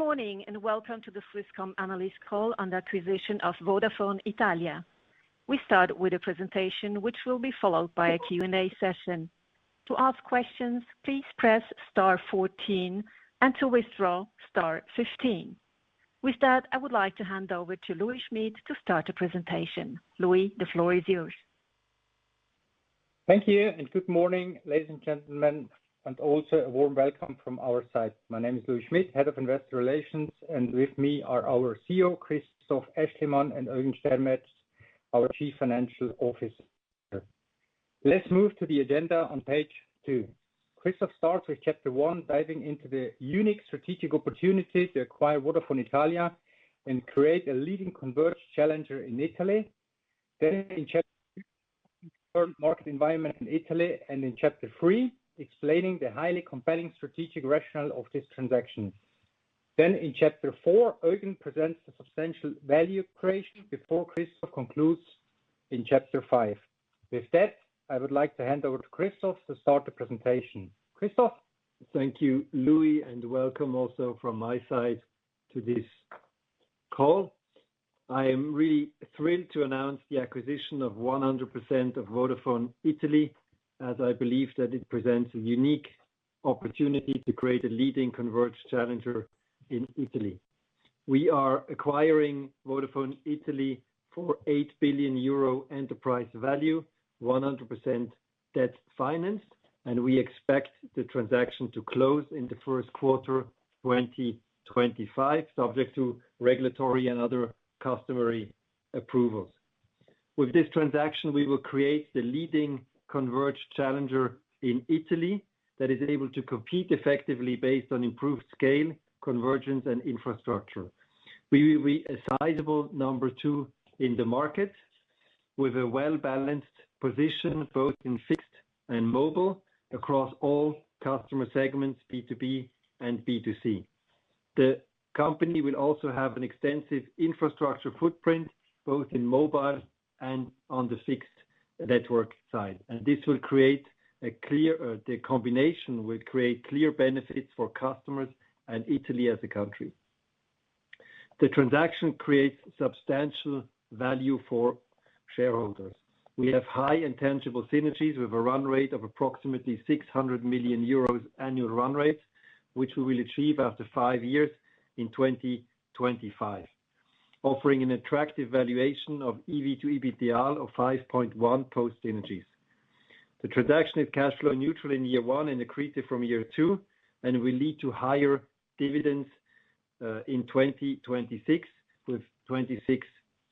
Good morning and welcome to the Swisscom analyst call on the acquisition of Vodafone Italia. We start with a presentation which will be followed by a Q&A session. To ask questions, please press star 14 and to withdraw, star 15. With that, I would like to hand over to Louis Schmid to start the presentation. Louis, the floor is yours. Thank you and good morning, ladies and gentlemen, and also a warm welcome from our side. My name is Louis Schmid, head of investor relations, and with me are our CEO, Christoph Aeschlimann, and Eugen Stermetz, our Chief Financial Officer. Let's move to the agenda on page two. Christoph starts with chapter one, diving into the unique strategic opportunity to acquire Vodafone Italia and create a leading converged challenger in Italy. Then in chapter two, we cover market environment in Italy, and in chapter three, explaining the highly compelling strategic rationale of this transaction. Then in chapter four, Eugen presents the substantial value creation before Christoph concludes in chapter five. With that, I would like to hand over to Christoph to start the presentation. Christoph? Thank you, Louis, and welcome also from my side to this call. I am really thrilled to announce the acquisition of 100% of Vodafone Italia, as I believe that it presents a unique opportunity to create a leading converged challenger in Italy. We are acquiring Vodafone Italia for 8 billion euro enterprise value, 100% debt financed, and we expect the transaction to close in the first quarter 2025, subject to regulatory and other customary approvals. With this transaction, we will create the leading converged challenger in Italy that is able to compete effectively based on improved scale, convergence, and infrastructure. We will be a sizable number two in the market with a well-balanced position both in fixed and mobile across all customer segments, B2B and B2C. The company will also have an extensive infrastructure footprint both in mobile and on the fixed network side, and this will create clear benefits for customers and Italy as a country. The combination will create clear benefits for customers and Italy as a country. The transaction creates substantial value for shareholders. We have high intangible synergies with a run rate of approximately 600 million euros annual run rate, which we will achieve after five years in 2025, offering an attractive valuation of EV to EBITDA of 5.1 post-synergies. The transaction is cash flow neutral in year one and accretive from year two, and will lead to higher dividends in 2026 with 26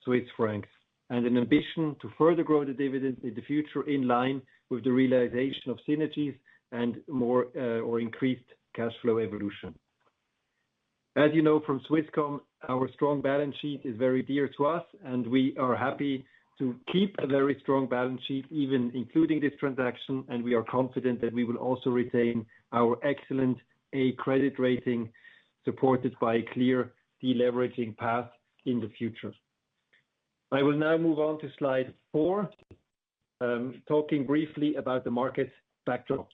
Swiss francs, and an ambition to further grow the dividends in the future in line with the realization of synergies and more or increased cash flow evolution. As you know from Swisscom, our strong balance sheet is very dear to us, and we are happy to keep a very strong balance sheet even including this transaction, and we are confident that we will also retain our excellent A credit rating supported by a clear deleveraging path in the future. I will now move on to slide 4, talking briefly about the market backdrop.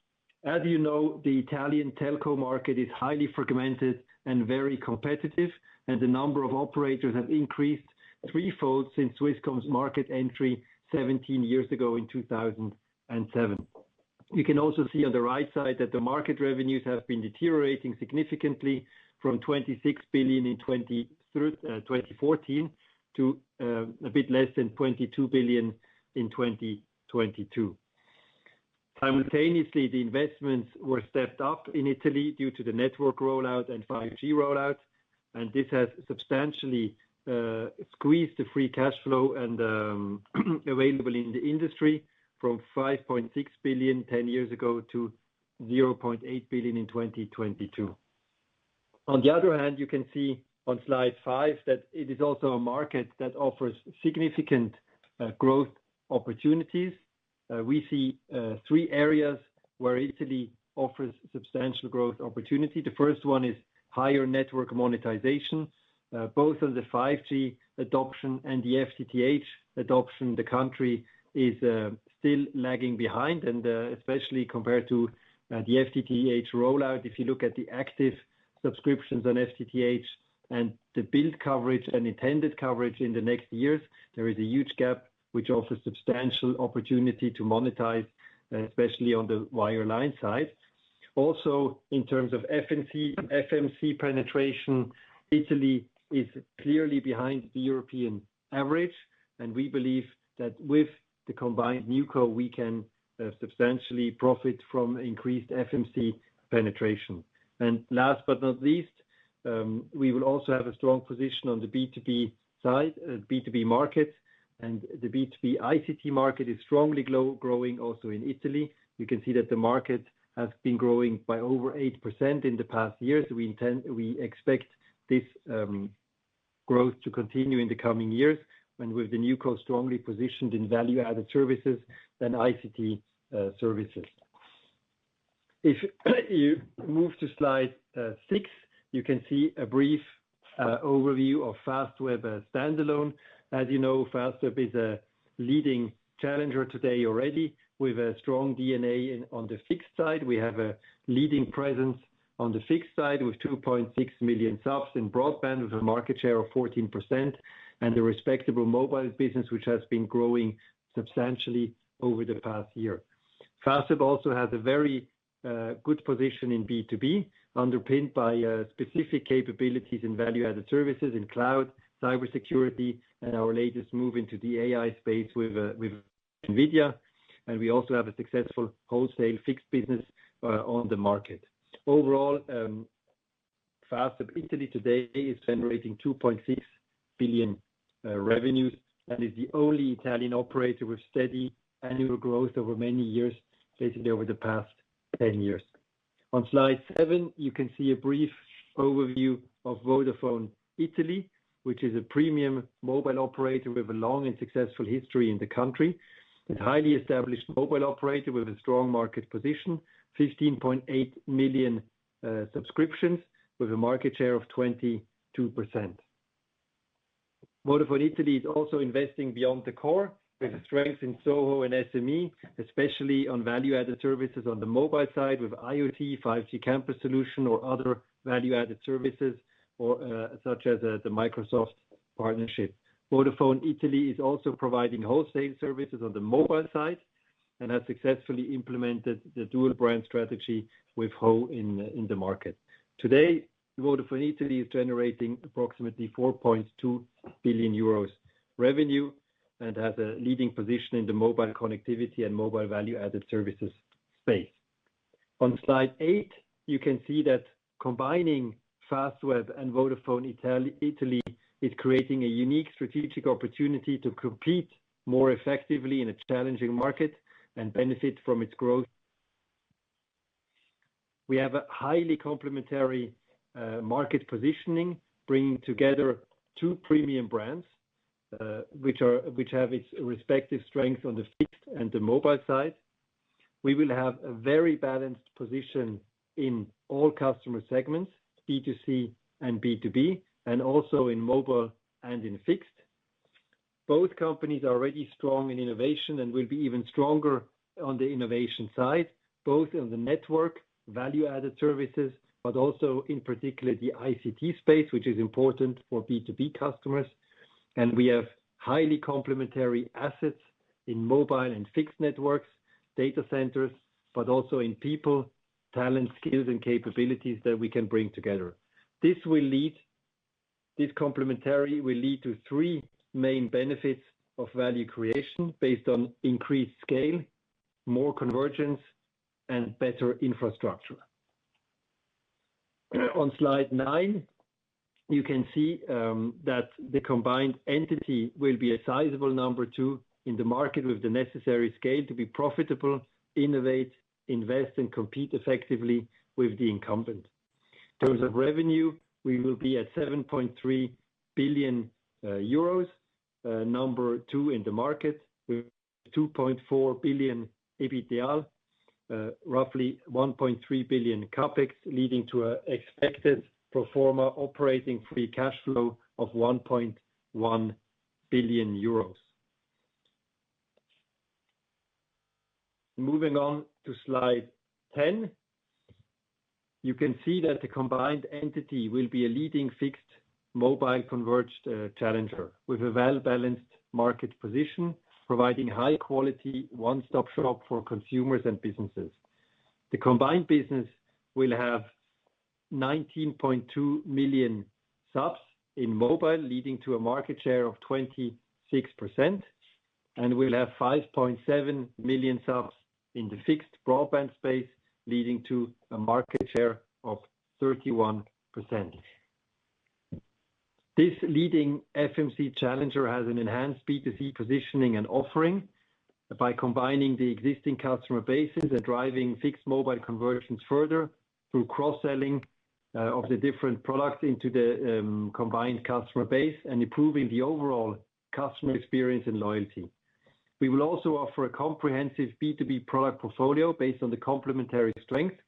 As you know, the Italian telco market is highly fragmented and very competitive, and the number of operators has increased threefold since Swisscom's market entry 17 years ago in 2007. You can also see on the right side that the market revenues have been deteriorating significantly from 26 billion in 2014 to a bit less than 22 billion in 2022. Simultaneously, the investments were stepped up in Italy due to the network rollout and 5G rollout, and this has substantially squeezed the free cash flow available in the industry from 5.6 billion 10 years ago to 0.8 billion in 2022. On the other hand, you can see on slide 5 that it is also a market that offers significant growth opportunities. We see 3 areas where Italy offers substantial growth opportunity. The first one is higher network monetization. Both on the 5G adoption and the FTTH adoption, the country is still lagging behind, and especially compared to the FTTH rollout. If you look at the active subscriptions on FTTH and the build coverage and intended coverage in the next years, there is a huge gap which offers substantial opportunity to monetize, especially on the wireline side. Also, in terms of FMC penetration, Italy is clearly behind the European average, and we believe that with the combined new co, we can substantially profit from increased FMC penetration. Last but not least, we will also have a strong position on the B2B side, B2B markets, and the B2B ICT market is strongly growing also in Italy. You can see that the market has been growing by over 8% in the past years. We expect this growth to continue in the coming years and with the new co strongly positioned in value-added services and ICT services. If you move to slide 6, you can see a brief overview of Fastweb standalone. As you know, Fastweb is a leading challenger today already with a strong DNA on the fixed side. We have a leading presence on the fixed side with 2.6 million subs in broadband with a market share of 14% and a respectable mobile business which has been growing substantially over the past year. Fastweb also has a very good position in B2B, underpinned by specific capabilities in value-added services in cloud, cybersecurity, and our latest move into the AI space with NVIDIA, and we also have a successful wholesale fixed business on the market. Overall, Fastweb Italy today is generating 2.6 billion revenues and is the only Italian operator with steady annual growth over many years, basically over the past 10 years. On slide 7, you can see a brief overview of Vodafone Italia, which is a premium mobile operator with a long and successful history in the country. It's a highly established mobile operator with a strong market position, 15.8 million subscriptions with a market share of 22%. Vodafone Italia is also investing beyond the core with strengths in SoHo and SME, especially on value-added services on the mobile side with IoT, 5G campus solution, or other value-added services such as the Microsoft partnership. Vodafone Italia is also providing wholesale services on the mobile side and has successfully implemented the dual brand strategy with ho. in the market. Today, Vodafone Italia is generating approximately 4.2 billion euros revenue and has a leading position in the mobile connectivity and mobile value-added services space. On slide 8, you can see that combining Fastweb and Vodafone Italia is creating a unique strategic opportunity to compete more effectively in a challenging market and benefit from its growth. We have a highly complementary market positioning, bringing together two premium brands which have its respective strengths on the fixed and the mobile side. We will have a very balanced position in all customer segments, B2C and B2B, and also in mobile and in fixed. Both companies are already strong in innovation and will be even stronger on the innovation side, both on the network, value-added services, but also in particular the ICT space, which is important for B2B customers. We have highly complementary assets in mobile and fixed networks, data centers, but also in people, talent, skills, and capabilities that we can bring together. This complementary will lead to three main benefits of value creation based on increased scale, more convergence, and better infrastructure. On slide 9, you can see that the combined entity will be a sizable number two in the market with the necessary scale to be profitable, innovate, invest, and compete effectively with the incumbent. In terms of revenue, we will be at 7.3 billion euros, number two in the market with 2.4 billion EBITDA, roughly 1.3 billion CapEx, leading to an expected pro forma operating free cash flow of 1.1 billion euros. Moving on to slide 10, you can see that the combined entity will be a leading fixed mobile converged challenger with a well-balanced market position, providing high-quality one-stop shop for consumers and businesses. The combined business will have 19.2 million subs in mobile, leading to a market share of 26%, and will have 5.7 million subs in the fixed broadband space, leading to a market share of 31%. This leading FMC challenger has an enhanced B2C positioning and offering by combining the existing customer bases and driving fixed-mobile conversions further through cross-selling of the different products into the combined customer base and improving the overall customer experience and loyalty. We will also offer a comprehensive B2B product portfolio based on the complementary strengths,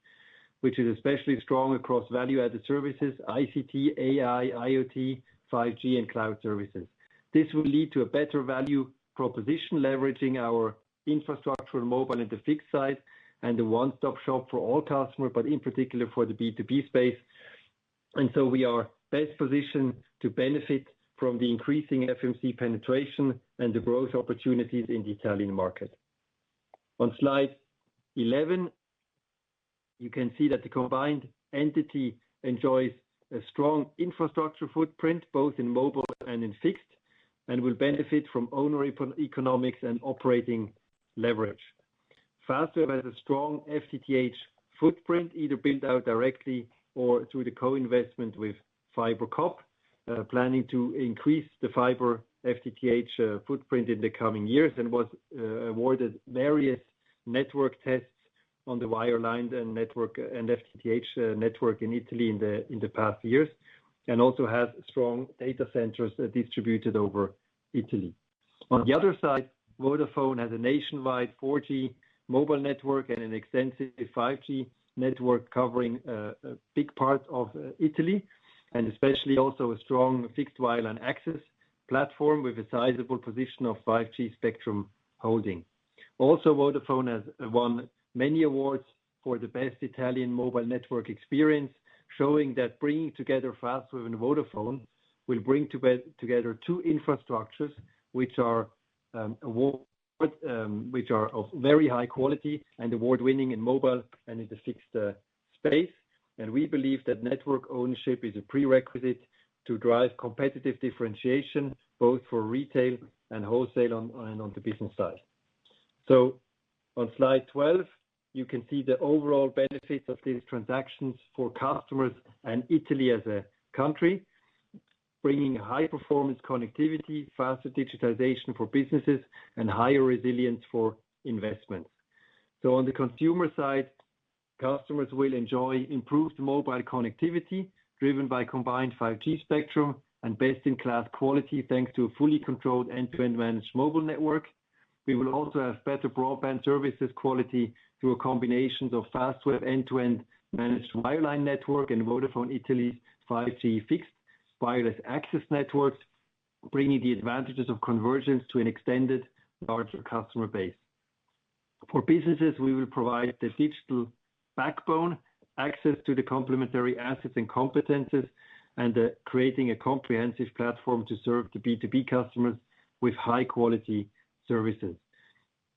which is especially strong across value-added services, ICT, AI, IoT, 5G, and cloud services. This will lead to a better value proposition, leveraging our infrastructure on mobile and the fixed side and the one-stop shop for all customers, but in particular for the B2B space. And so we are best positioned to benefit from the increasing FMC penetration and the growth opportunities in the Italian market. On slide 11, you can see that the combined entity enjoys a strong infrastructure footprint both in mobile and in fixed and will benefit from owner economics and operating leverage. Fastweb has a strong FTTH footprint, either built out directly or through the co-investment with FiberCop, planning to increase the fiber FTTH footprint in the coming years, and was awarded various network tests on the wireline and FTTH network in Italy in the past years, and also has strong data centers distributed over Italy. On the other side, Vodafone has a nationwide 4G mobile network and an extensive 5G network covering a big part of Italy, and especially also a strong fixed wireline access platform with a sizable position of 5G spectrum holding. Also, Vodafone has won many awards for the best Italian mobile network experience, showing that bringing together Fastweb and Vodafone will bring together two infrastructures which are of very high quality and award-winning in mobile and in the fixed space. We believe that network ownership is a prerequisite to drive competitive differentiation both for retail and wholesale and on the business side. On slide 12, you can see the overall benefits of these transactions for customers and Italy as a country, bringing high-performance connectivity, faster digitization for businesses, and higher resilience for investments. On the consumer side, customers will enjoy improved mobile connectivity driven by combined 5G spectrum and best-in-class quality thanks to a fully controlled end-to-end managed mobile network. We will also have better broadband services quality through a combination of Fastweb end-to-end managed wireline network and Vodafone Italia's 5G fixed wireless access networks, bringing the advantages of convergence to an extended larger customer base. For businesses, we will provide the digital backbone, access to the complementary assets and competencies, and creating a comprehensive platform to serve the B2B customers with high-quality services.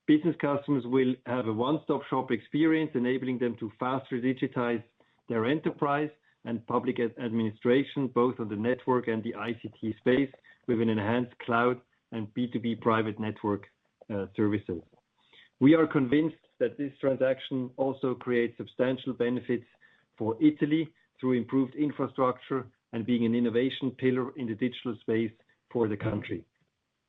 Business customers will have a one-stop shop experience, enabling them to faster digitize their enterprise and public administration both on the network and the ICT space with an enhanced cloud and B2B private network services. We are convinced that this transaction also creates substantial benefits for Italy through improved infrastructure and being an innovation pillar in the digital space for the country.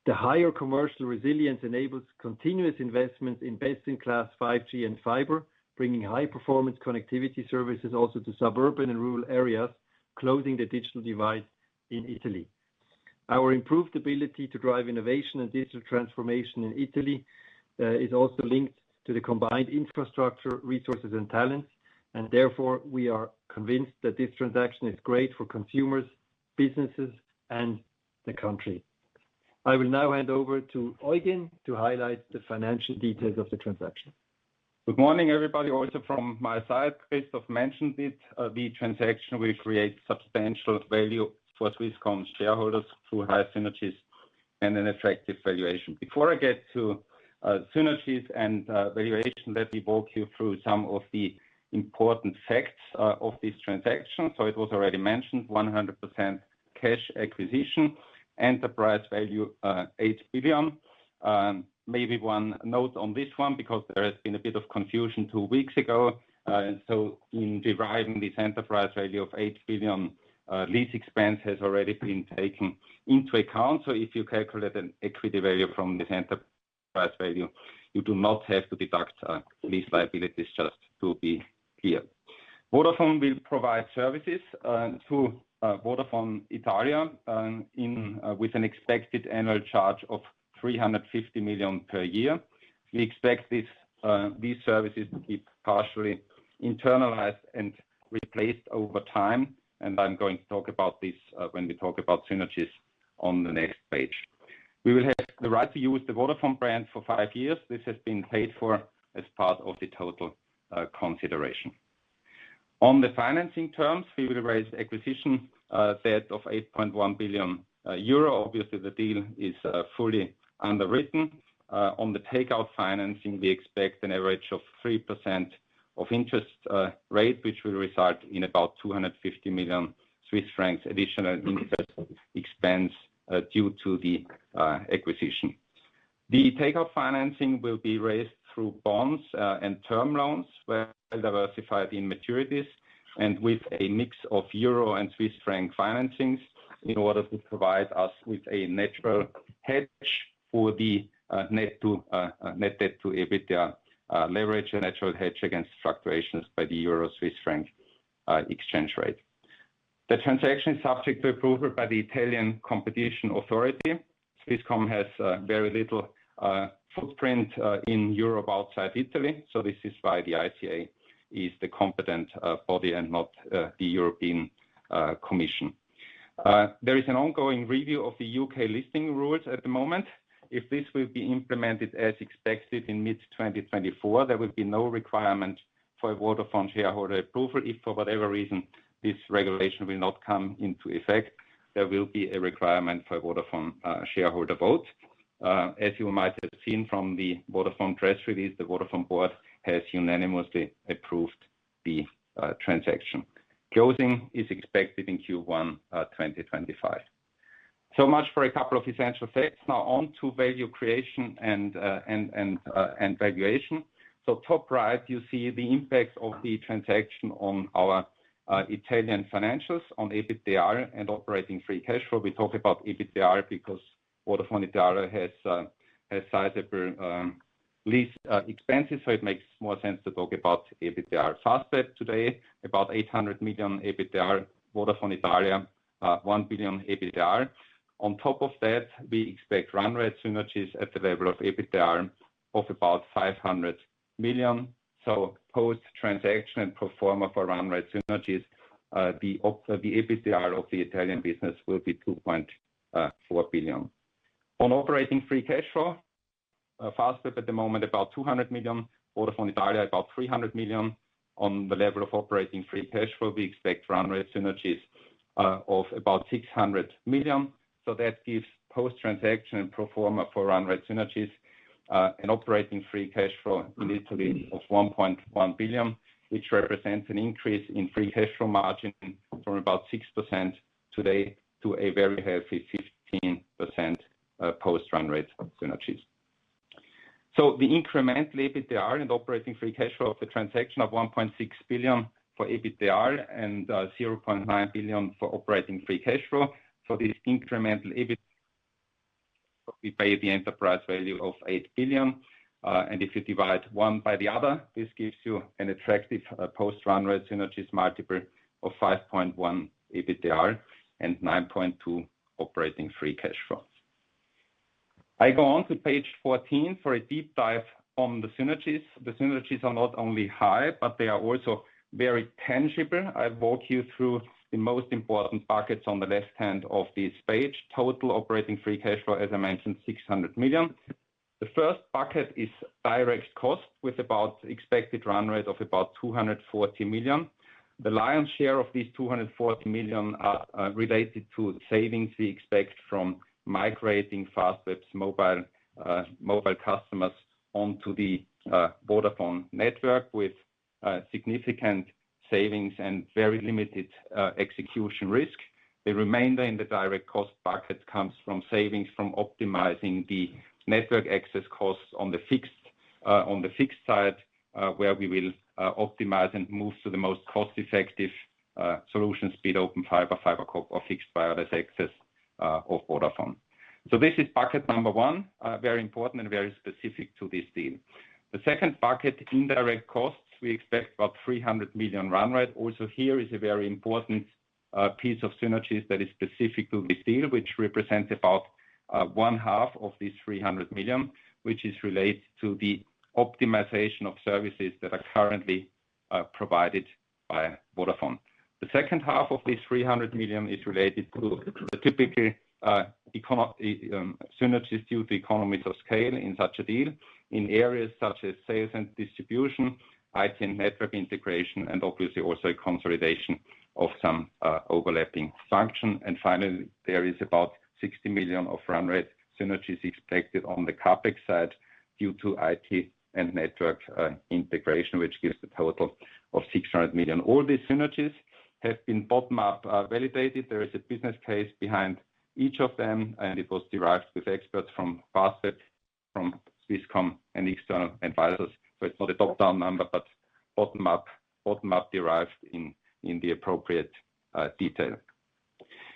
The higher commercial resilience enables continuous investments in best-in-class 5G and fiber, bringing high-performance connectivity services also to suburban and rural areas, closing the digital divide in Italy. Our improved ability to drive innovation and digital transformation in Italy is also linked to the combined infrastructure, resources, and talents. Therefore, we are convinced that this transaction is great for consumers, businesses, and the country. I will now hand over to Eugen to highlight the financial details of the transaction. Good morning, everybody. Also from my side, Christoph mentioned it. The transaction will create substantial value for Swisscom shareholders through high synergies and an effective valuation. Before I get to synergies and valuation, let me walk you through some of the important facts of this transaction. It was already mentioned, 100% cash acquisition, enterprise value 8 billion. Maybe one note on this one because there has been a bit of confusion two weeks ago. So in deriving this enterprise value of 8 billion, lease expense has already been taken into account. So if you calculate an equity value from this enterprise value, you do not have to deduct lease liabilities, just to be clear. Vodafone will provide services to Vodafone Italia with an expected annual charge of 350 million per year. We expect these services to be partially internalized and replaced over time. And I'm going to talk about this when we talk about synergies on the next page. We will have the right to use the Vodafone brand for five years. This has been paid for as part of the total consideration. On the financing terms, we will raise acquisition debt of 8.1 billion euro. Obviously, the deal is fully underwritten. On the takeout financing, we expect an average of 3% of interest rate, which will result in about 250 million Swiss francs additional interest expense due to the acquisition. The takeout financing will be raised through bonds and term loans well diversified in maturities and with a mix of euro and Swiss franc financings in order to provide us with a natural hedge for the net debt to EBITDA leverage, a natural hedge against fluctuations by the euro-Swiss franc exchange rate. The transaction is subject to approval by the Italian Competition Authority. Swisscom has very little footprint in Europe outside Italy. So this is why the ICA is the competent body and not the European Commission. There is an ongoing review of the U.K. listing rules at the moment. If this will be implemented as expected in mid-2024, there will be no requirement for a Vodafone shareholder approval. If for whatever reason this regulation will not come into effect, there will be a requirement for a Vodafone shareholder vote. As you might have seen from the Vodafone press release, the Vodafone board has unanimously approved the transaction. Closing is expected in Q1 2025. So much for a couple of essential facts. Now on to value creation and valuation. So top right, you see the impacts of the transaction on our Italian financials, on EBITDA and operating free cash flow. We talk about EBITDA because Vodafone Italia has sizable lease expenses. So it makes more sense to talk about EBITDA. Fastweb today, about 800 million EBITDA, Vodafone Italia, 1 billion EBITDA. On top of that, we expect run rate synergies at the level of EBITDA of about 500 million. So post-transaction and pro forma for run rate synergies, the EBITDA of the Italian business will be 2.4 billion. On operating free cash flow, Fastweb at the moment, about 200 million, Vodafone Italia, about 300 million. On the level of operating free cash flow, we expect run rate synergies of about 600 million. So that gives post-transaction and pro forma for run rate synergies and operating free cash flow in Italy of 1.1 billion, which represents an increase in free cash flow margin from about 6% today to a very healthy 15% post-run rate synergies. So the incremental EBITDA and operating free cash flow of the transaction of 1.6 billion for EBITDA and 0.9 billion for operating free cash flow. So this incremental EBITDA will be by the enterprise value of 8 billion. And if you divide one by the other, this gives you an attractive post-run rate synergies multiple of 5.1x EBITDA and 9.2x operating free cash flow. I go on to page 14 for a deep dive on the synergies. The synergies are not only high, but they are also very tangible. I walk you through the most important buckets on the left hand of this page. Total operating free cash flow, as I mentioned, 600 million. The first bucket is direct cost with about expected run rate of about 240 million. The lion's share of these 240 million are related to savings we expect from migrating Fastweb's mobile customers onto the Vodafone network with significant savings and very limited execution risk. The remainder in the direct cost bucket comes from savings from optimizing the network access costs on the fixed side, where we will optimize and move to the most cost-effective solutions, be it Open Fiber, FiberCop, or fixed wireless access of Vodafone. So this is bucket number one, very important and very specific to this deal. The second bucket, indirect costs, we expect about 300 million run rate. Also here is a very important piece of synergies that is specific to this deal, which represents about 150 million of these 300 million, which is related to the optimization of services that are currently provided by Vodafone. The second half of these 300 million is related to the typical synergies due to economies of scale in such a deal in areas such as sales and distribution, IT and network integration, and obviously also a consolidation of some overlapping function. And finally, there is about 60 million of run rate synergies expected on the CapEx side due to IT and network integration, which gives the total of 600 million. All these synergies have been bottom-up validated. There is a business case behind each of them, and it was derived with experts from Fastweb, from Swisscom, and external advisors. So it's not a top-down number, but bottom-up derived in the appropriate detail.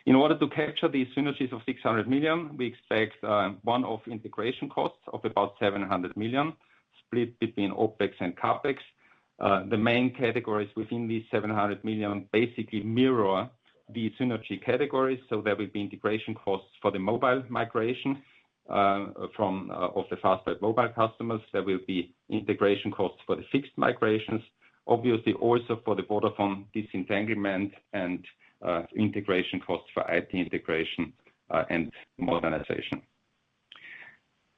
In order to capture these synergies of 600 million, we expect one-off integration costs of about 700 million split between OpEx and CapEx. The main categories within these 700 million basically mirror the synergy categories. So there will be integration costs for the mobile migration of the Fastweb mobile customers. There will be integration costs for the fixed migrations, obviously also for the Vodafone disentanglement and integration costs for IT integration and modernization.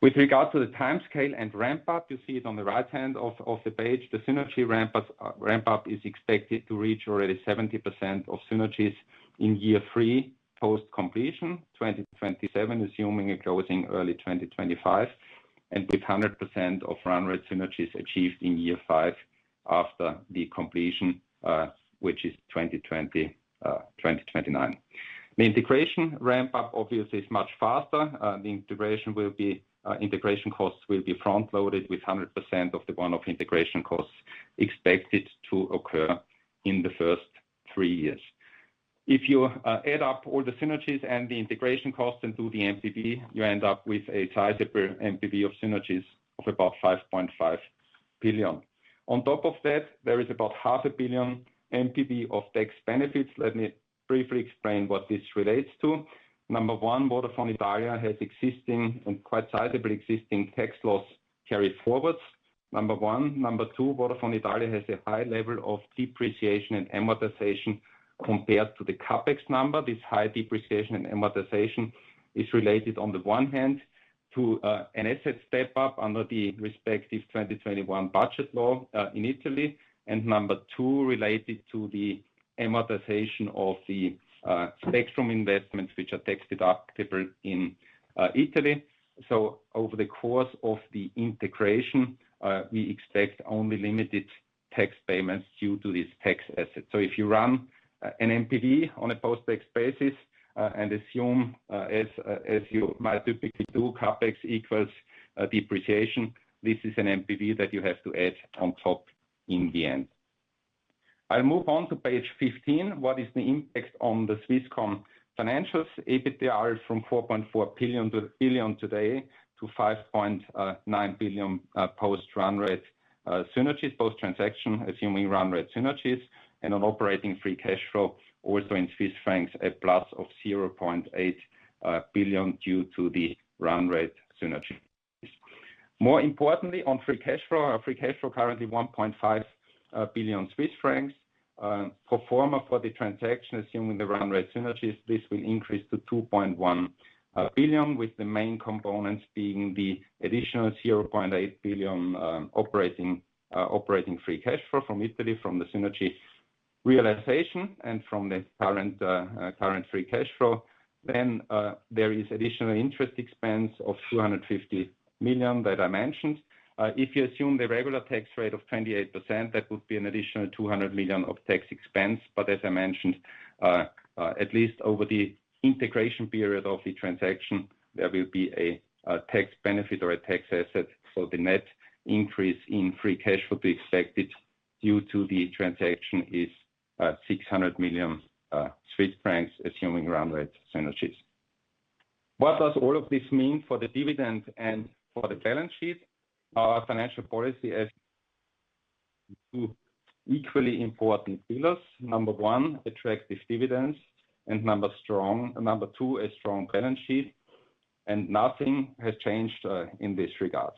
With regard to the timescale and ramp-up, you see it on the right hand of the page. The synergy ramp-up is expected to reach already 70% of synergies in year 3 post-completion, 2027, assuming a closing early 2025, and with 100% of run rate synergies achieved in year 5 after the completion, which is 2029. The integration ramp-up, obviously, is much faster. The integration costs will be front-loaded with 100% of the one-off integration costs expected to occur in the first 3 years. If you add up all the synergies and the integration costs and do the NPV, you end up with a sizable NPV of synergies of about 5.5 billion. On top of that, there is about 0.5 billion NPV of tax benefits. Let me briefly explain what this relates to. Number one, Vodafone Italia has existing and quite sizable tax loss carried forwards. Number two, Vodafone Italia has a high level of depreciation and amortization compared to the CapEx number. This high depreciation and amortization is related, on the one hand, to an asset step-up under the respective 2021 budget law in Italy, and 2, related to the amortization of the spectrum investments, which are tax deductible in Italy. So over the course of the integration, we expect only limited tax payments due to these tax assets. So if you run an NPV on a post-tax basis and assume, as you might typically do, CapEx equals depreciation, this is an NPV that you have to add on top in the end. I'll move on to page 15. What is the impact on the Swisscom financials? EBITDA is from 4.4 billion to 5.9 billion post-run rate synergies, post-transaction, assuming run rate synergies, and on operating free cash flow, also in Swiss francs, a plus of 0.8 billion due to the run rate synergies. More importantly, on free cash flow, free cash flow currently 1.5 billion Swiss francs. Pro forma for the transaction, assuming the run rate synergies, this will increase to 2.1 billion, with the main components being the additional 0.8 billion operating free cash flow from Italy, from the synergy realization, and from the current free cash flow. Then there is additional interest expense of 250 million that I mentioned. If you assume the regular tax rate of 28%, that would be an additional 200 million of tax expense. But as I mentioned, at least over the integration period of the transaction, there will be a tax benefit or a tax asset. So the net increase in free cash flow to expected due to the transaction is 600 million Swiss francs, assuming run rate synergies. What does all of this mean for the dividend and for the balance sheet? Our financial policy has two equally important pillars. Number 1, attractive dividends, and number 2, a strong balance sheet. Nothing has changed in this regard.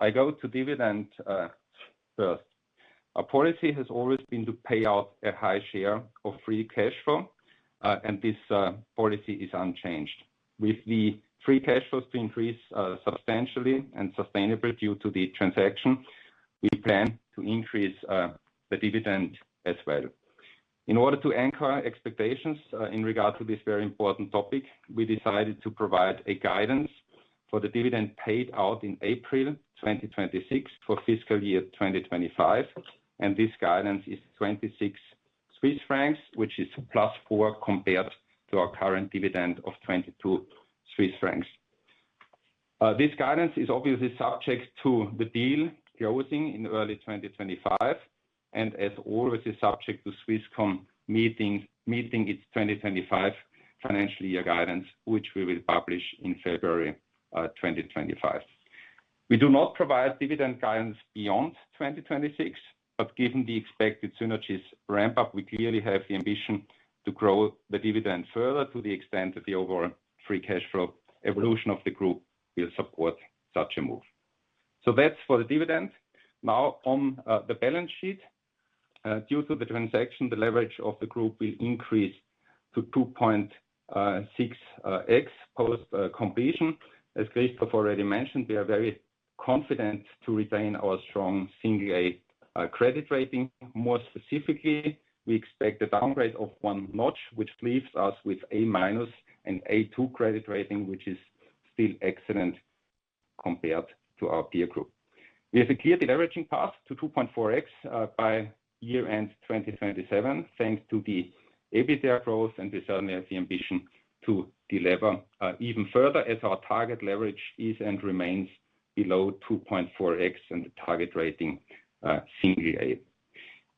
I go to dividend first. Our policy has always been to pay out a high share of free cash flow. This policy is unchanged. With the free cash flows to increase substantially and sustainably due to the transaction, we plan to increase the dividend as well. In order to anchor expectations in regard to this very important topic, we decided to provide a guidance for the dividend paid out in April 2026 for fiscal year 2025. This guidance is 26 Swiss francs, which is +4 compared to our current dividend of 22 Swiss francs. This guidance is obviously subject to the deal closing in early 2025 and, as always, is subject to Swisscom meeting its 2025 financial year guidance, which we will publish in February 2025. We do not provide dividend guidance beyond 2026. But given the expected synergies ramp-up, we clearly have the ambition to grow the dividend further to the extent that the overall free cash flow evolution of the group will support such a move. So that's for the dividend. Now on the balance sheet, due to the transaction, the leverage of the group will increase to 2.6x post-completion. As Christoph already mentioned, we are very confident to retain our strong single-A credit rating. More specifically, we expect a downgrade of one notch, which leaves us with A- and A2 credit rating, which is still excellent compared to our peer group. We have a clear deleveraging path to 2.4x by year-end 2027 thanks to the EBITDA growth and certainly the ambition to deliver even further as our target leverage is and remains below 2.4x and the target rating single-A.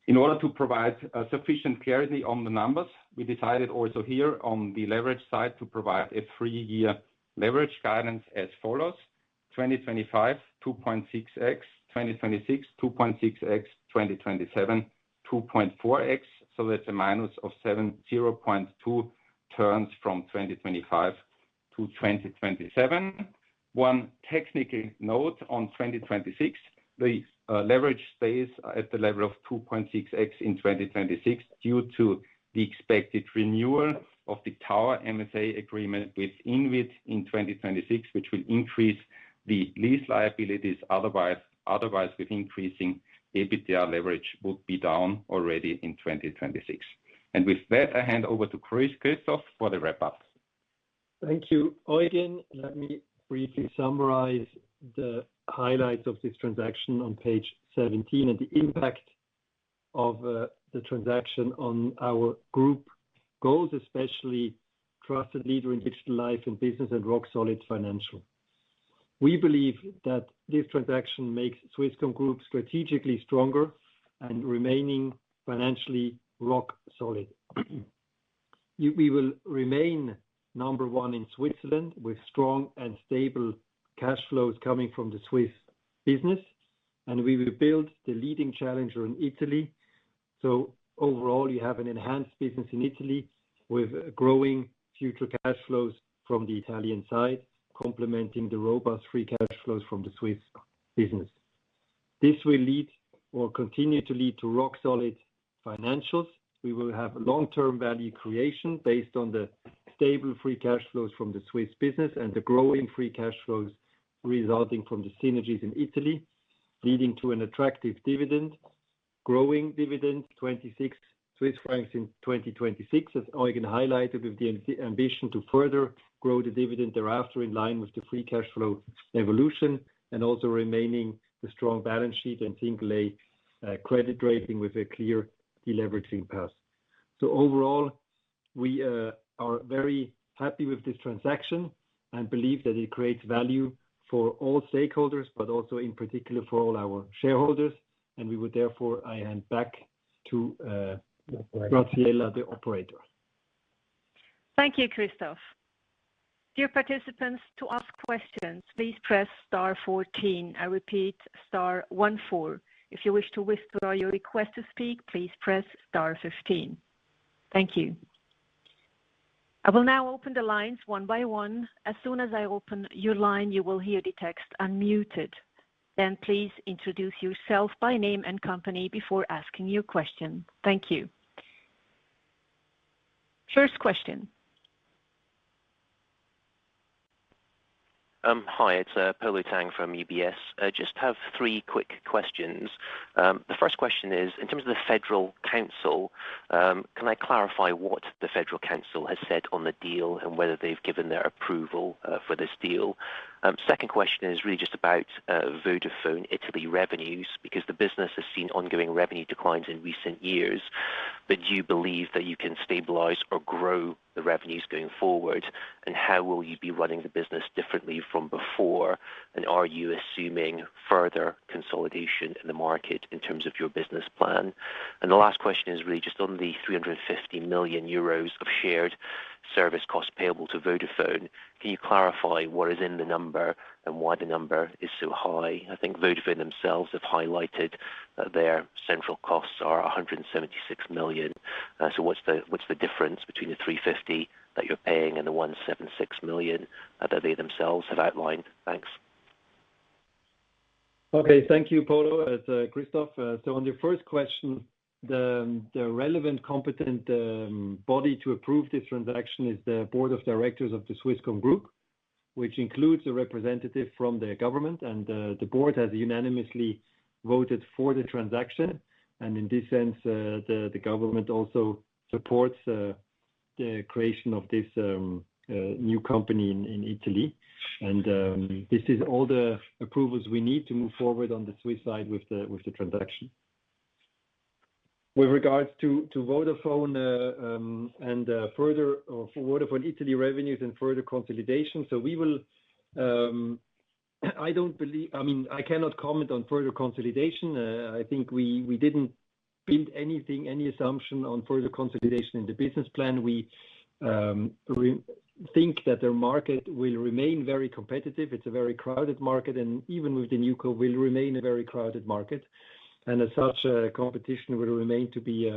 In order to provide sufficient clarity on the numbers, we decided also here on the leverage side to provide a three-year leverage guidance as follows: 2025, 2.6x; 2026, 2.6x; 2027, 2.4x. So that's a minus of 0.2 turns from 2025 to 2027. One technical note on 2026: the leverage stays at the level of 2.6x in 2026 due to the expected renewal of the tower MSA agreement with INWIT in 2026, which will increase the lease liabilities. Otherwise, with increasing EBITDA leverage, it would be down already in 2026. And with that, I hand over to Christoph for the wrap-up. Thank you, Eugen. Let me briefly summarize the highlights of this transaction on page 17 and the impact of the transaction on our group goals, especially Trusted Leader in Digital Life and Business and Rock Solid Financial. We believe that this transaction makes Swisscom Group strategically stronger and remaining financially rock solid. We will remain number one in Switzerland with strong and stable cash flows coming from the Swiss business. We will build the leading challenger in Italy. Overall, you have an enhanced business in Italy with growing future cash flows from the Italian side, complementing the robust free cash flows from the Swiss business. This will lead or continue to lead to rock solid financials. We will have long-term value creation based on the stable free cash flows from the Swiss business and the growing free cash flows resulting from the synergies in Italy, leading to an attractive dividend, growing dividend, 26 Swiss francs in 2026, as Eugen highlighted, with the ambition to further grow the dividend thereafter in line with the free cash flow evolution and also remaining the strong balance sheet and single-A credit rating with a clear deleveraging path. So overall, we are very happy with this transaction and believe that it creates value for all stakeholders, but also in particular for all our shareholders. We would therefore hand back to Graciela, the operator. Thank you, Christoph. Dear participants, to ask questions, please press star 14. I repeat, star 14. If you wish to whisper or you request to speak, please press star 15. Thank you. I will now open the lines one by one. As soon as I open your line, you will hear the text "unmuted." Then please introduce yourself by name and company before asking your question. Thank you. First question. Hi. It's Polo Tang from UBS. I just have three quick questions. The first question is, in terms of the Federal Council, can I clarify what the Federal Council has said on the deal and whether they've given their approval for this deal? Second question is really just about Vodafone Italy revenues because the business has seen ongoing revenue declines in recent years. But do you believe that you can stabilize or grow the revenues going forward? And how will you be running the business differently from before? And are you assuming further consolidation in the market in terms of your business plan? And the last question is really just on the 350 million euros of shared service costs payable to Vodafone. Can you clarify what is in the number and why the number is so high? I think Vodafone themselves have highlighted that their central costs are 176 million. So what's the difference between the 350 that you're paying and the 176 million that they themselves have outlined? Thanks. Okay. Thank you, Polo. Christoph, so on your first question, the relevant competent body to approve this transaction is the board of directors of the Swisscom Group, which includes a representative from their government. The board has unanimously voted for the transaction. In this sense, the government also supports the creation of this new company in Italy. This is all the approvals we need to move forward on the Swiss side with the transaction. With regards to Vodafone and further Vodafone Italy revenues and further consolidation, I mean, I cannot comment on further consolidation. I think we didn't build anything, any assumption on further consolidation in the business plan. We think that the market will remain very competitive. It's a very crowded market. Even with the NewCo, it will remain a very crowded market. And as such, competition will remain to be,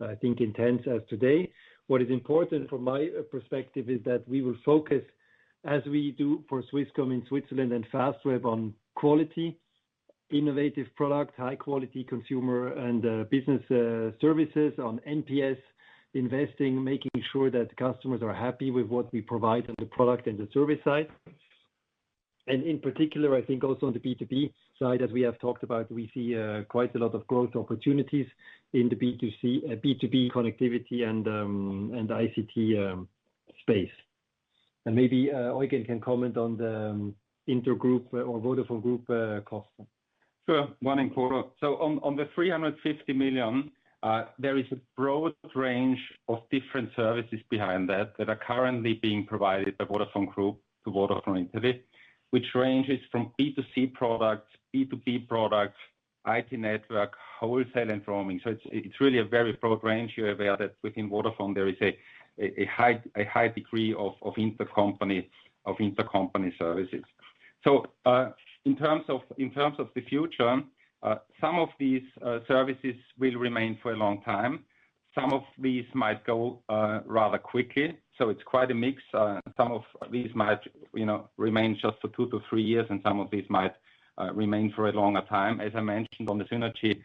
I think, intense as today. What is important from my perspective is that we will focus, as we do for Swisscom in Switzerland and Fastweb, on quality, innovative product, high-quality consumer and business services, on NPS investing, making sure that customers are happy with what we provide on the product and the service side. And in particular, I think also on the B2B side that we have talked about, we see quite a lot of growth opportunities in the B2B connectivity and ICT space. And maybe Eugen can comment on the Intergroup or Vodafone Group costs. Sure. One in Polo. So on the 350 million, there is a broad range of different services behind that that are currently being provided by Vodafone Group to Vodafone Italia, which ranges from B2C products, B2B products, IT network, wholesale, and roaming. So it's really a very broad range here where within Vodafone, there is a high degree of intercompany services. So in terms of the future, some of these services will remain for a long time. Some of these might go rather quickly. So it's quite a mix. Some of these might remain just for two to three years. Some of these might remain for a longer time. As I mentioned on the synergy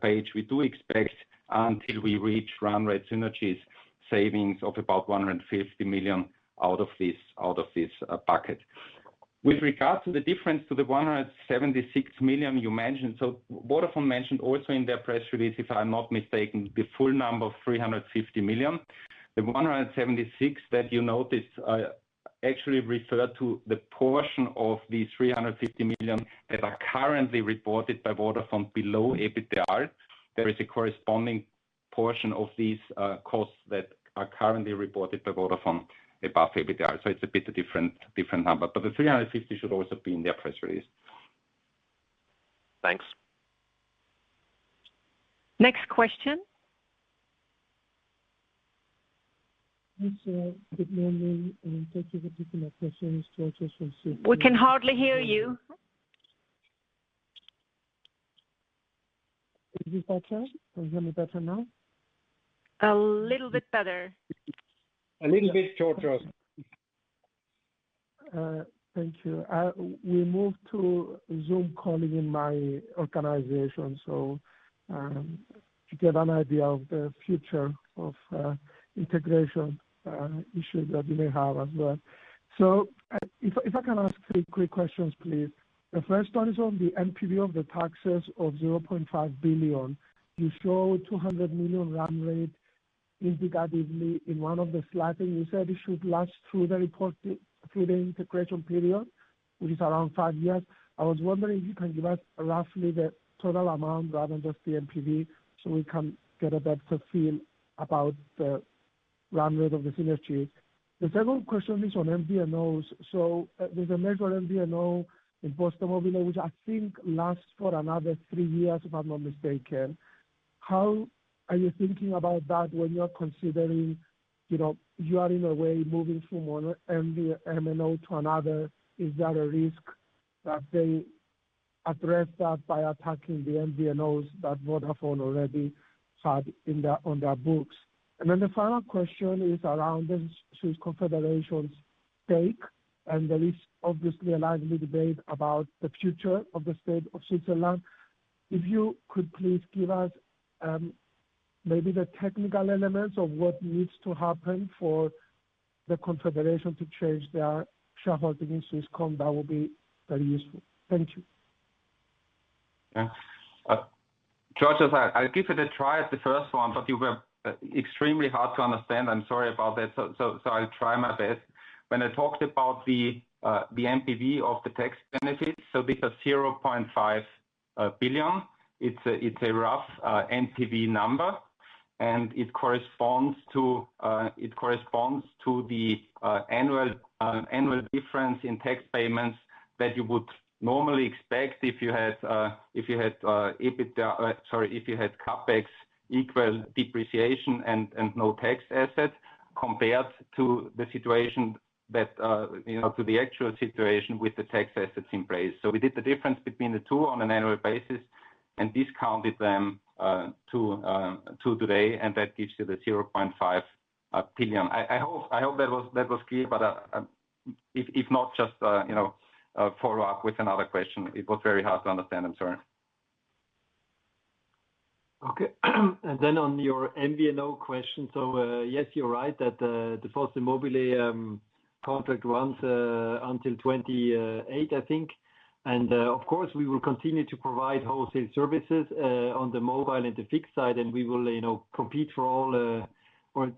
page, we do expect until we reach run rate synergies savings of about 150 million out of this bucket. With regard to the difference to the 176 million you mentioned, so Vodafone mentioned also in their press release, if I'm not mistaken, the full number of 350 million. The 176 that you noticed actually referred to the portion of the 350 million that are currently reported by Vodafone below EBITDA. There is a corresponding portion of these costs that are currently reported by Vodafone above EBITDA. So it's a bit a different number. But the 350 million should also be in their press release. Thanks. Next question. Hello. Good morning. Thank you for taking my questions. Georgios Ierodiaconou from Swisscom. We can hardly hear you. Is this better? Can you hear me better now? A little bit better. A little bit, Georgios Ierodiaconou. Thank you. We move to Zoom calling in my organization to get an idea of the future of integration issues that we may have as well. So if I can ask three quick questions, please. The first one is on the NPV of the taxes of 0.5 billion. You show 200 million run rate indicatively in one of the slides. And you said it should last through the integration period, which is around five years. I was wondering if you can give us roughly the total amount rather than just the NPV so we can get a better feel about the run rate of the synergies. The second question is on MVNOs. So there's a measure on MVNO in PosteMobile, which I think lasts for another three years, if I'm not mistaken. How are you thinking about that when you're considering you are, in a way, moving from one MNO to another? Is there a risk that they address that by attacking the MVNOs that Vodafone already had on their books? And then the final question is around the Swiss Confederation's take. And there is obviously a lively debate about the future of the state of Switzerland. If you could please give us maybe the technical elements of what needs to happen for the Confederation to change their shareholding in Swisscom, that would be very useful. Thank you. Georgios Ierodiaconou, I'll give it a try at the first one, but you were extremely hard to understand. I'm sorry about that. I'll try my best. When I talked about the NPV of the tax benefits, because 0.5 billion, it's a rough NPV number. It corresponds to the annual difference in tax payments that you would normally expect if you had EBITDA, sorry, if you had CapEx equal to depreciation and no tax assets compared to the situation to the actual situation with the tax assets in place. We did the difference between the two on an annual basis and discounted them to today. That gives you the 0.5 billion. I hope that was clear. But if not, just follow up with another question. It was very hard to understand. I'm sorry. Okay. And then on your MVNO question, so yes, you're right that the post-mobile contract runs until 2028, I think. And of course, we will continue to provide wholesale services on the mobile and the fixed side. And we will compete for all or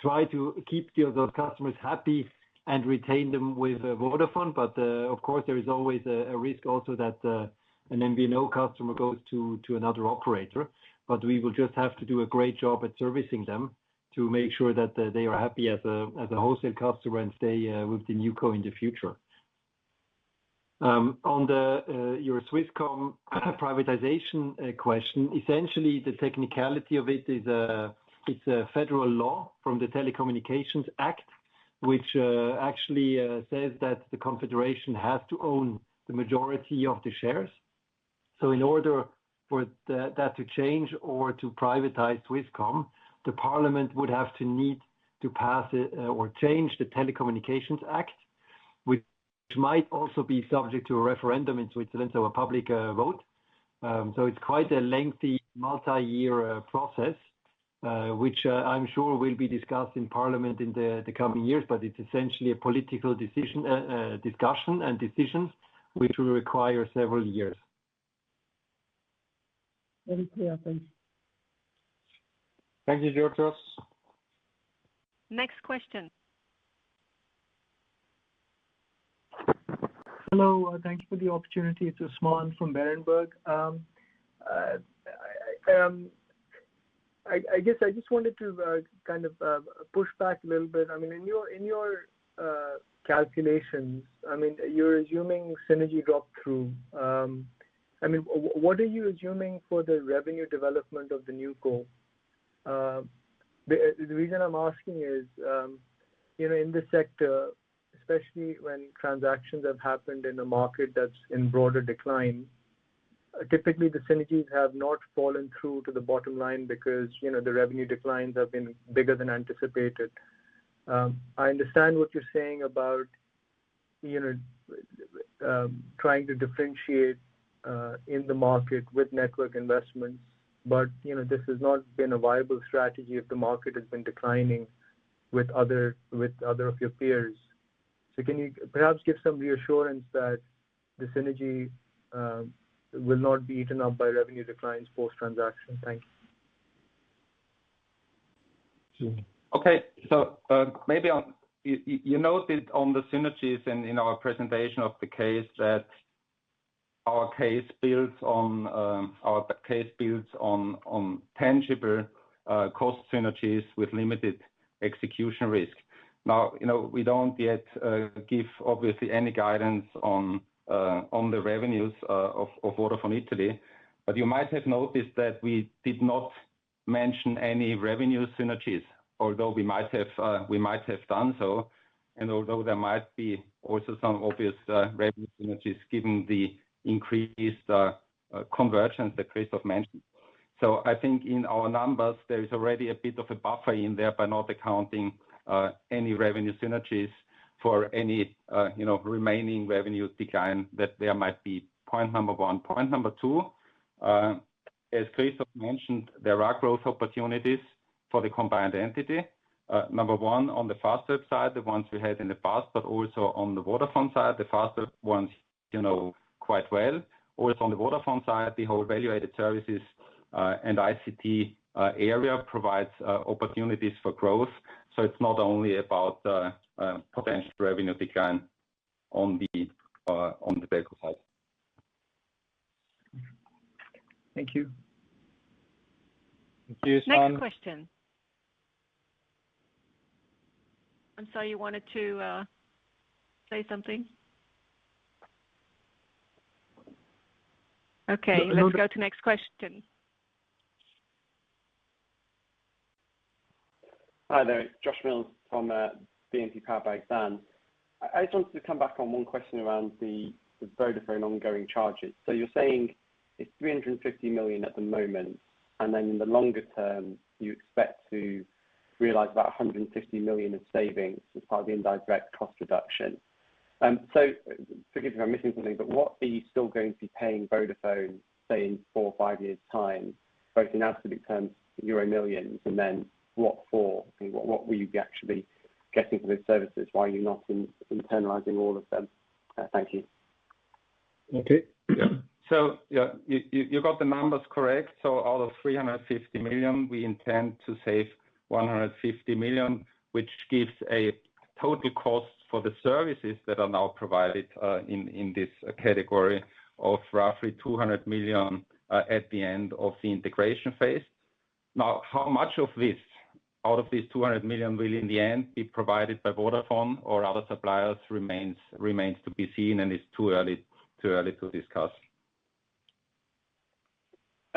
try to keep those customers happy and retain them with Vodafone. But of course, there is always a risk also that an MVNO customer goes to another operator. But we will just have to do a great job at servicing them to make sure that they are happy as a wholesale customer and stay with the new CO in the future. On your Swisscom privatization question, essentially, the technicality of it, it's a federal law from the Telecommunications Act, which actually says that the Confederation has to own the majority of the shares. In order for that to change or to privatize Swisscom, the Parliament would have to need to pass or change the Telecommunications Act, which might also be subject to a referendum in Switzerland, so a public vote. It's quite a lengthy multi-year process, which I'm sure will be discussed in Parliament in the coming years. It's essentially a political discussion and decisions which will require several years. Very clear. Thank you. Thank you, Georgios Ierodiaconou. Next question. Hello. Thank you for the opportunity. It's Usman from Berenberg. I guess I just wanted to kind of push back a little bit. I mean, in your calculations, I mean, you're assuming synergy drop-through. I mean, what are you assuming for the revenue development of the new CO? The reason I'm asking is, in the sector, especially when transactions have happened in a market that's in broader decline, typically, the synergies have not fallen through to the bottom line because the revenue declines have been bigger than anticipated. I understand what you're saying about trying to differentiate in the market with network investments. But this has not been a viable strategy if the market has been declining with other of your peers. So can you perhaps give some reassurance that the synergy will not be eaten up by revenue declines post-transaction? Thank you. Okay. So maybe you noted on the synergies and in our presentation of the case that our case builds on tangible cost synergies with limited execution risk. Now, we don't yet give, obviously, any guidance on the revenues of Vodafone Italia. But you might have noticed that we did not mention any revenue synergies, although we might have done so. And although there might be also some obvious revenue synergies given the increased convergence that Christoph mentioned. So I think in our numbers, there is already a bit of a buffer in there by not accounting any revenue synergies for any remaining revenue decline that there might be. Point number one. Point number two, as Christoph mentioned, there are growth opportunities for the combined entity. Number one, on the Fastweb side, the ones we had in the past, but also on the Vodafone side, the Fastweb ones quite well. Also on the Vodafone side, the whole value-added services and ICT area provides opportunities for growth. So it's not only about potential revenue decline on the telco side. Thank you. Thank you, Usman. Next question. I'm sorry. You wanted to say something? Okay. Let's go to next question. Hi. There's Josh Mills from BNP Paribas. I just wanted to come back on one question around the Vodafone ongoing charges. So you're saying it's 350 million at the moment. And then in the longer term, you expect to realize about 150 million of savings as part of the indirect cost reduction. So forgive me if I'm missing something. But what are you still going to be paying Vodafone, say, in four or five years' time, both in absolute terms, euro millions, and then what for? What will you be actually getting for those services while you're not internalizing all of them? Thank you. Okay. Yeah. So yeah, you got the numbers correct. So out of 350 million, we intend to save 150 million, which gives a total cost for the services that are now provided in this category of roughly 200 million at the end of the integration phase. Now, how much of this out of these 200 million will, in the end, be provided by Vodafone or other suppliers remains to be seen. It's too early to discuss.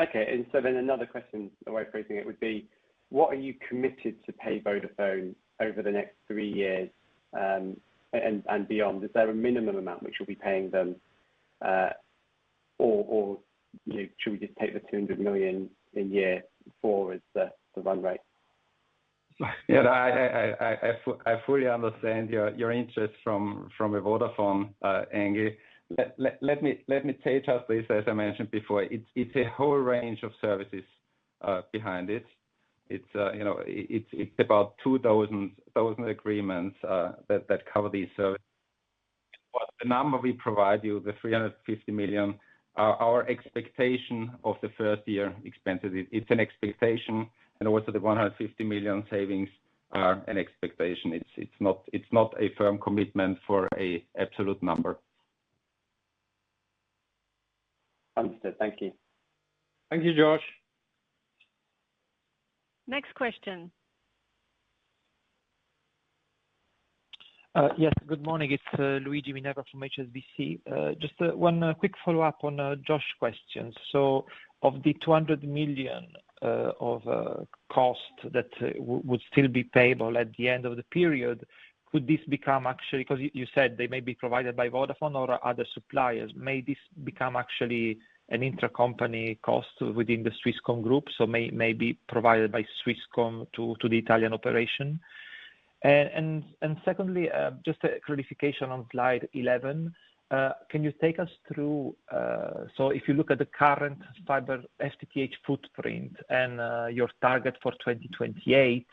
Okay. Another question away from it would be, what are you committed to pay Vodafone over the next 3 years and beyond? Is there a minimum amount which you'll be paying them? Or should we just take the 200 million in year 4 as the run rate? Yeah. I fully understand your interest from a Vodafone angle. Let me take just this, as I mentioned before. It's a whole range of services behind it. It's about 2,000 agreements that cover these services. But the number we provide you, the 350 million, our expectation of the first-year expenses, it's an expectation. And also the 150 million savings are an expectation. It's not a firm commitment for an absolute number. Understood. Thank you. Thank you, Josh. Next question. Yes. Good morning. It's Luigi Minerva from HSBC. Just one quick follow-up on Josh's questions. So of the 200 million of cost that would still be payable at the end of the period, could this become actually because you said they may be provided by Vodafone or other suppliers. May this become actually an intra-company cost within the Swisscom group, so maybe provided by Swisscom to the Italian operation? And secondly, just a clarification on slide 11, can you take us through so if you look at the current fiber FTTH footprint and your target for 2028,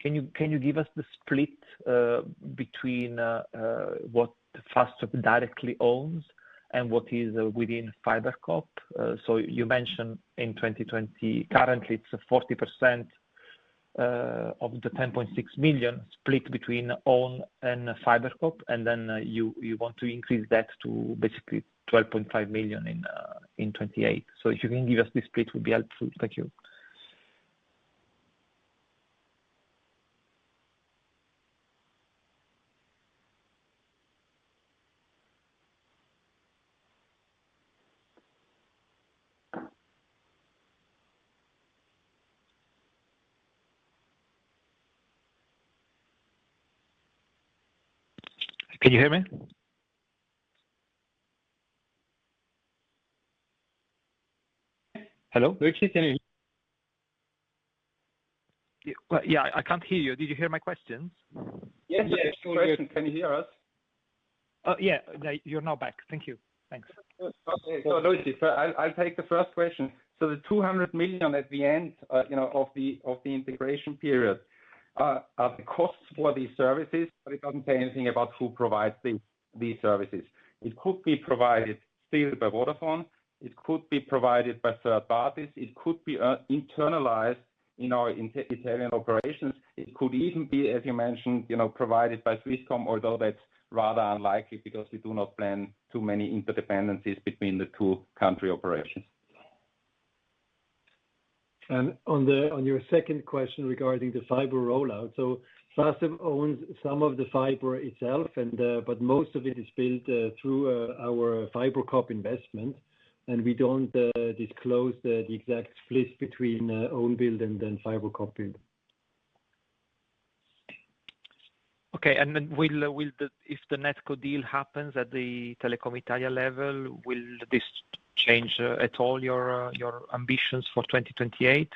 can you give us the split between what Fastweb directly owns and what is within FiberCop? So you mentioned in 2020, currently, it's 40% of the 10.6 million split between own and FiberCop. And then you want to increase that to basically 12.5 million in 28. If you can give us this split, it would be helpful. Thank you. Can you hear me? Hello? Yeah. I can't hear you. Did you hear my questions? Yes. Yes. First question. Can you hear us? Yeah. You're now back. Thank you. Thanks. Okay. Luigi, I'll take the first question. The 200 million at the end of the integration period are the costs for these services. But it doesn't say anything about who provides these services. It could be provided still by Vodafone. It could be provided by third parties. It could be internalized in our Italian operations. It could even be, as you mentioned, provided by Swisscom, although that's rather unlikely because we do not plan too many interdependencies between the two country operations. On your second question regarding the fiber rollout, so Fastweb owns some of the fiber itself. But most of it is built through our FiberCop investment. And we don't disclose the exact split between own-build and then FiberCop-build. Okay. And then if the NetCo deal happens at the Telecom Italia level, will this change at all your ambitions for 2028?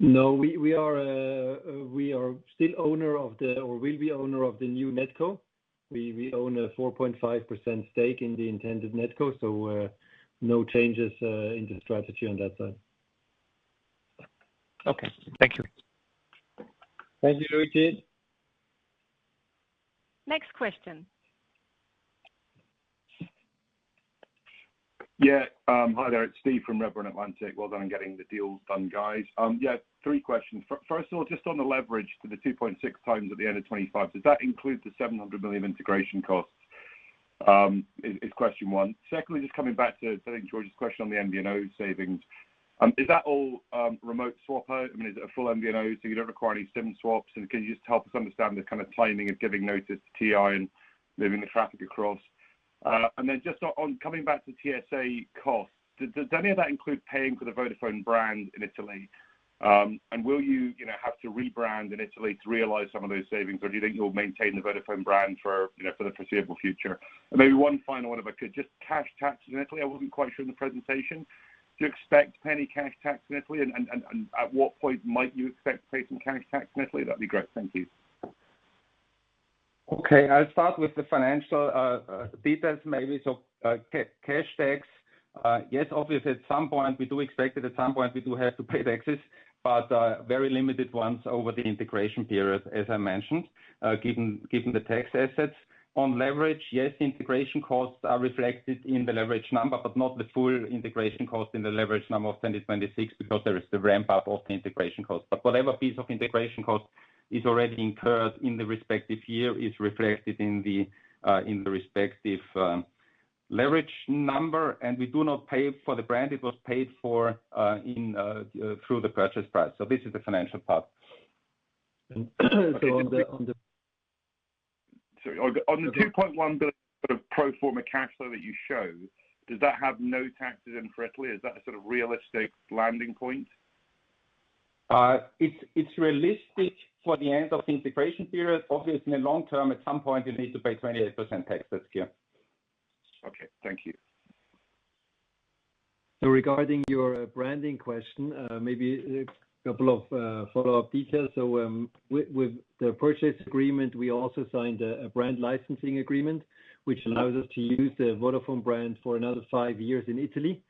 No. We are still owner of the, or will be owner of the new NetCo. We own a 4.5% stake in the intended NetCo. So no changes in the strategy on that side. Okay. Thank you. Thank you, Louis Bjergby. Next question. Yeah. Hi there. It's Steve from Redburn Atlantic. Well done on getting the deals done, guys. Yeah. Three questions. First of all, just on the leverage for the 2.6x at the end of 2025, does that include the 700 million integration costs? Is question one. Secondly, just coming back to, I think, George's question on the MVNO savings, is that all remote swapper? I mean, is it a full MVNO so you don't require any SIM swaps? And can you just help us understand the kind of timing of giving notice to TI and moving the traffic across? And then just coming back to TSA costs, does any of that include paying for the Vodafone brand in Italy? And will you have to rebrand in Italy to realize some of those savings? Or do you think you'll maintain the Vodafone brand for the foreseeable future? Maybe one final, if I could, just cash tax in Italy. I wasn't quite sure in the presentation. Do you expect penny cash tax in Italy? And at what point might you expect to pay some cash tax in Italy? That'd be great. Thank you. Okay. I'll start with the financial details maybe. So cash tax, yes, obviously, at some point we do expect it. At some point, we do have to pay taxes. But very limited ones over the integration period, as I mentioned, given the tax assets. On leverage, yes, integration costs are reflected in the leverage number, but not the full integration cost in the leverage number of 2026 because there is the ramp-up of the integration cost. But whatever piece of integration cost is already incurred in the respective year is reflected in the respective leverage number. We do not pay for the brand. It was paid through the purchase price. So this is the financial part. On the 2.1 billion sort of pro forma cash flow that you showed, does that have no taxes in for Italy? Is that a sort of realistic landing point? It's realistic for the end of integration period. Obviously, in the long term, at some point, you need to pay 28% tax. That's clear. Okay. Thank you. Regarding your branding question, maybe a couple of follow-up details. With the purchase agreement, we also signed a brand licensing agreement, which allows us to use the Vodafone brand for another five years in Italy.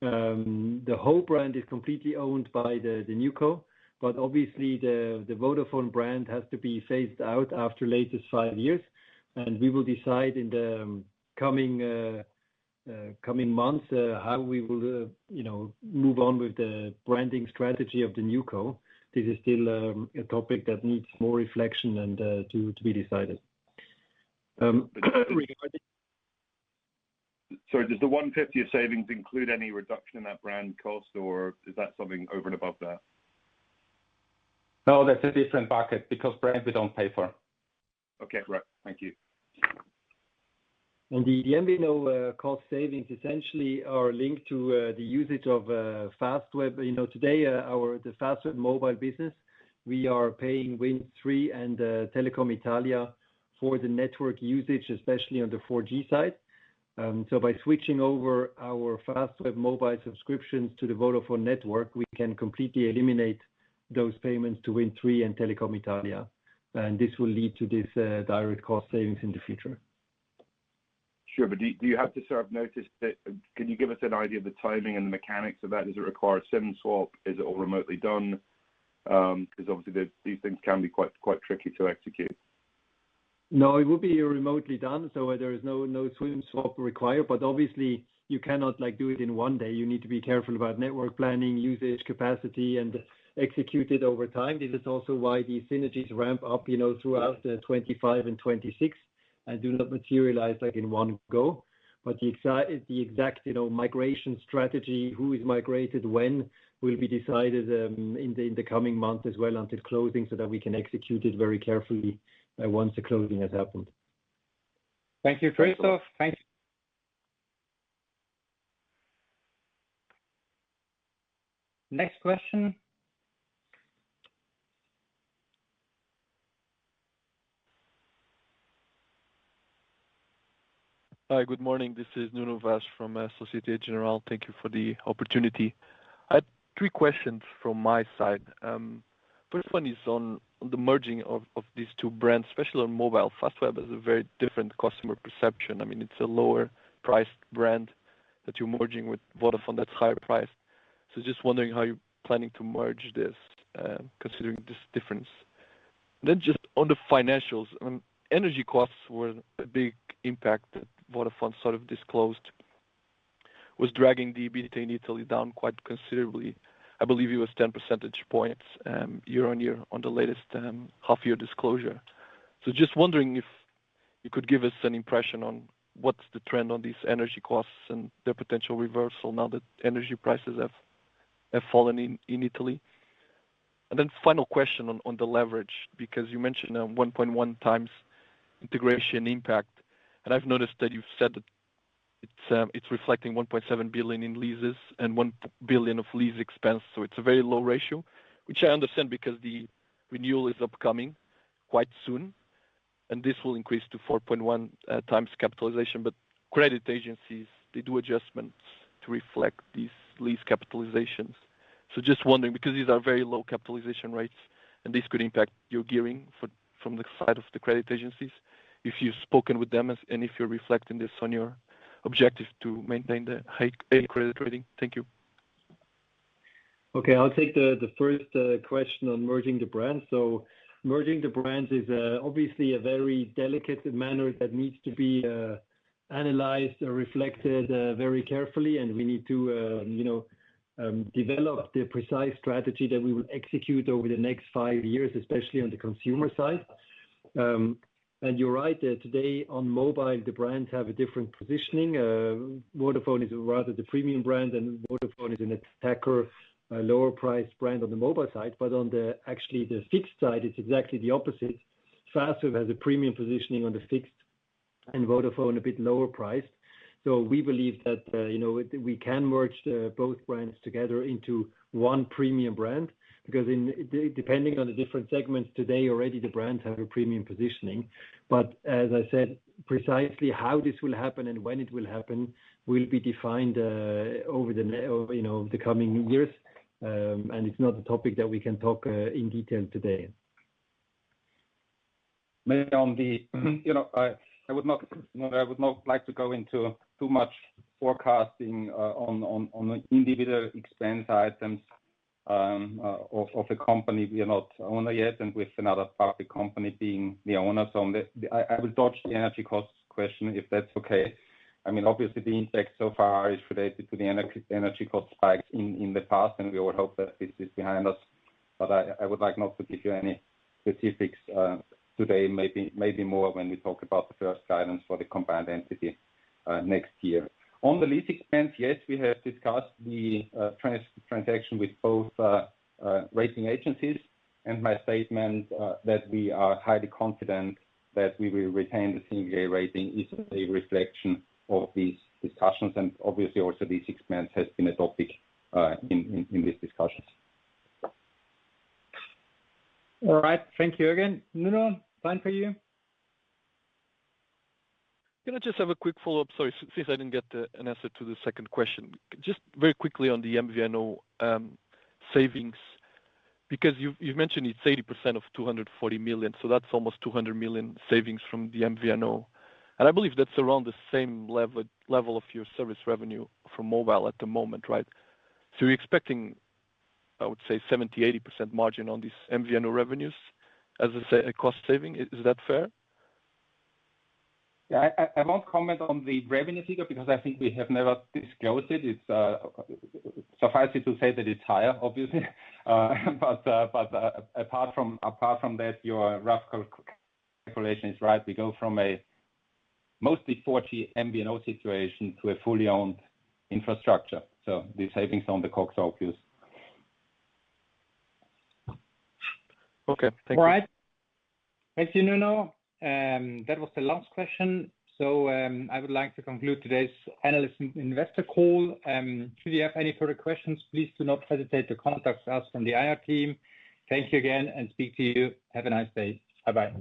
The whole brand is completely owned by the newco. But obviously, the Vodafone brand has to be phased out after the latest five years. We will decide in the coming months how we will move on with the branding strategy of the newco. This is still a topic that needs more reflection and to be decided. Sorry. Does the 150 of savings include any reduction in that brand cost? Or is that something over and above that? No. That's a different bucket because brand, we don't pay for. Okay. Right. Thank you. The MVNO cost savings essentially are linked to the usage of Fastweb. Today, the Fastweb mobile business, we are paying WINDTRE and Telecom Italia for the network usage, especially on the 4G side. By switching over our Fastweb mobile subscriptions to the Vodafone network, we can completely eliminate those payments to WINDTRE and Telecom Italia. This will lead to this direct cost savings in the future. Sure. But do you have to serve notice that can you give us an idea of the timing and the mechanics of that? Does it require a SIM swap? Is it all remotely done? Because obviously, these things can be quite tricky to execute. No. It will be remotely done. So there is no SIM swap required. But obviously, you cannot do it in one day. You need to be careful about network planning, usage, capacity, and execute it over time. This is also why these synergies ramp up throughout 2025 and 2026 and do not materialize in one go. But the exact migration strategy, who is migrated when, will be decided in the coming months as well until closing so that we can execute it very carefully once the closing has happened. Thank you, Christoph. Thank you. Next question. Hi. Good morning. This is Nuno Vaz from Société Générale. Thank you for the opportunity. I had three questions from my side. First one is on the merging of these two brands, especially on mobile. Fastweb has a very different customer perception. I mean, it's a lower-priced brand that you're merging with Vodafone that's higher-priced. So just wondering how you're planning to merge this considering this difference. And then just on the financials, energy costs were a big impact that Vodafone sort of disclosed, was dragging EBITDA in Italy down quite considerably. I believe it was 10 percentage points year-on-year on the latest half-year disclosure. So just wondering if you could give us an impression on what's the trend on these energy costs and their potential reversal now that energy prices have fallen in Italy. Then final question on the leverage because you mentioned 1.1 times integration impact. And I've noticed that you've said that it's reflecting 1.7 billion in leases and 1 billion of lease expense. So it's a very low ratio, which I understand because the renewal is upcoming quite soon. And this will increase to 4.1 times capitalization. But credit agencies, they do adjustments to reflect these lease capitalizations. So just wondering because these are very low capitalization rates, and this could impact your gearing from the side of the credit agencies if you've spoken with them and if you're reflecting this on your objective to maintain the accredited rating. Thank you. Okay. I'll take the first question on merging the brands. So merging the brands is obviously a very delicate matter that needs to be analyzed and reflected very carefully. We need to develop the precise strategy that we will execute over the next five years, especially on the consumer side. You're right. Today, on mobile, the brands have a different positioning. Vodafone is rather the premium brand. ho. is an attacker, lower-priced brand on the mobile side. Actually, the fixed side, it's exactly the opposite. Fastweb has a premium positioning on the fixed and Vodafone a bit lower-priced. We believe that we can merge both brands together into one premium brand because depending on the different segments today, already the brands have a premium positioning. As I said, precisely how this will happen and when it will happen will be defined over the coming years. It's not a topic that we can talk in detail today. May I add, I would not like to go into too much forecasting on individual expense items of a company we are not the owner yet and with another public company being the owner. So I will dodge the energy costs question if that's okay. I mean, obviously, the impact so far is related to the energy cost spikes in the past. And we all hope that this is behind us. But I would like not to give you any specifics today, maybe more when we talk about the first guidance for the combined entity next year. On the lease expense, yes, we have discussed the transaction with both rating agencies. And my statement that we are highly confident that we will retain the Single A rating is a reflection of these discussions. And obviously, also, lease expense has been a topic in these discussions. All right. Thank you again. Nuno, time for you. Can I just have a quick follow-up? Sorry, since I didn't get an answer to the second question. Just very quickly on the MVNO savings because you've mentioned it's 80% of 240 million. So that's almost 200 million savings from the MVNO. And I believe that's around the same level of your service revenue from mobile at the moment, right? So you're expecting, I would say, 70%-80% margin on these MVNO revenues as a cost saving. Is that fair? Yeah. I won't comment on the revenue figure because I think we have never disclosed it. It suffices to say that it's higher, obviously. But apart from that, your rough calculation is right. We go from a mostly 4G MVNO situation to a fully owned infrastructure. So the savings on the costs are obvious. Okay. Thank you. All right. Thank you, Nuno. That was the last question. I would like to conclude today's analyst and investor call. Should you have any further questions, please do not hesitate to contact us from the IR team. Thank you again. And speak to you. Have a nice day. Bye-bye.